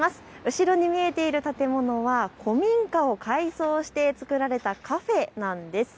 後ろに見えている建物は古民家を改装して造られたカフェなんです。